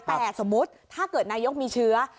แต่สมมุติถ้าเกิดนายกมีเชื้อ